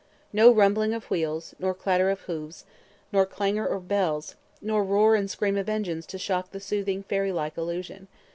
No rumbling of wheels, nor clatter of hoofs, nor clangor of bells, nor roar and scream of engines to shock the soothing fairy like illusion.